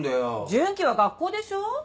順基は学校でしょ？